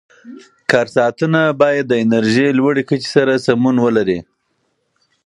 کار ساعتونه باید د انرژۍ لوړې کچې سره سمون ولري.